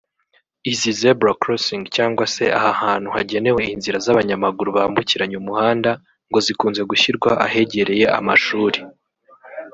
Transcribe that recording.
Izi “zebra crossing” cyangwa se aha hantu hagenewe inzira z’abanyamaguru bambukiranya umuhanda ngo zikunze gushyirwa ahegereye amashuri